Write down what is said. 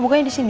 bukanya di sini